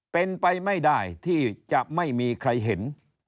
เป็นไปไม่ได้ที่จะไม่มีใครเห็น